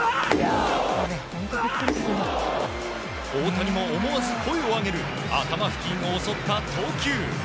大谷も思わず声を上げる頭付近を襲った投球。